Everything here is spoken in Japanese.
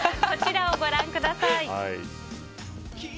こちらをご覧ください。